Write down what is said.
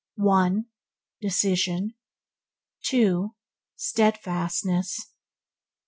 Decision 2. Steadfastness 3.